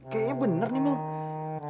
kayaknya bener nih mel